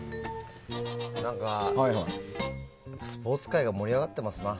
何か、スポーツ界が盛り上がってますな。